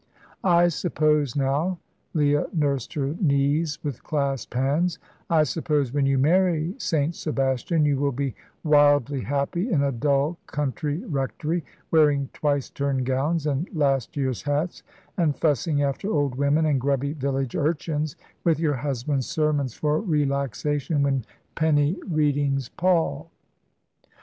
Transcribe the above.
I suppose now" Leah nursed her knees with clasped hands "I suppose when you marry St. Sebastian, you will be wildly happy in a dull country rectory, wearing twice turned gowns and last year's hats, and fussing after old women and grubby village urchins, with your husband's sermons for relaxation when penny readings pall."